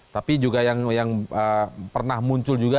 tapi juga yang pernah muncul juga